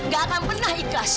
gak akan pernah ikhlas